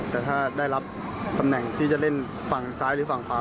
แต่ถ้าได้รับตำแหน่งที่จะเล่นฝั่งซ้ายหรือฝั่งขวา